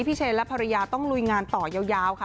เชนและภรรยาต้องลุยงานต่อยาวค่ะ